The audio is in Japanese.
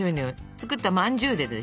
作ったまんじゅうでですね